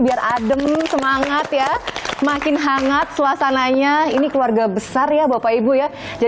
kita dengarkan pak bupati bernyanyi